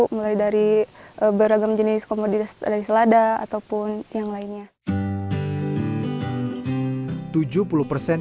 mulai dari beragam jenis komoditas dari selada ataupun yang lainnya